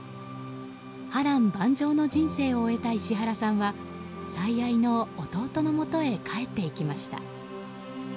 波乱万丈の人生を終えた石原さんは最愛の弟のもとへ帰っていきました。